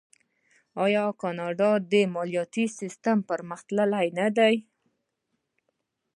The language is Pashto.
آیا د کاناډا مالیاتي سیستم پرمختللی نه دی؟